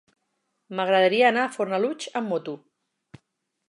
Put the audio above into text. M'agradaria anar a Fornalutx amb moto.